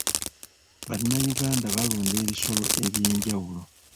Bannayuganda balunda ebisolo eby'enjawulo.